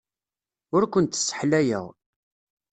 Ur kent-sseḥlayeɣ.